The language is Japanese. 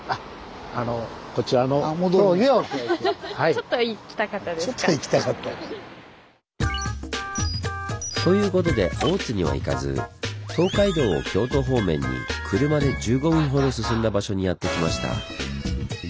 ちょっと行きたかった。ということで大津には行かず東海道を京都方面に車で１５分ほど進んだ場所にやって来ました。